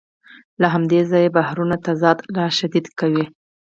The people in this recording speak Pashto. له همدې ځایه بحرانونه تضاد لا شدید کوي